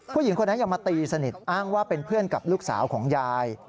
ผู้หญิงคนนั้นยังมาตีสนิทอ้างว่าเป็นเพื่อนกับลูกสาวของยาย